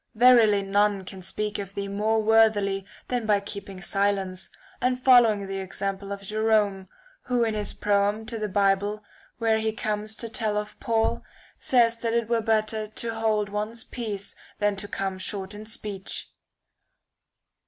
Verily none can speak of thee more worthily than by keeping silence, and following the example of Jerome, who in his proem to the Bible, where he comes to tell of Paul, says that it were better to hold one's peace than to come short in speech.